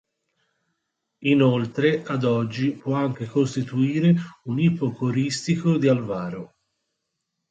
Inoltre, ad oggi può anche costituire un ipocoristico di Alvaro.